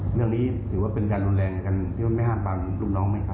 เงินเร้นหรือว่าเป็นการแลงกันที่จะไม่ห้ามปล่องกลุ่มน้องไหมคะ